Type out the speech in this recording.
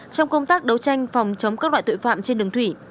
trong công tác đấu tranh phòng chống các loại tội phạm trên đường thủy